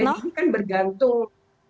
jadi ini kan bergantung